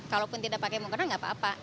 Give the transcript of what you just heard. kalau pun tidak pakai mukena tidak apa apa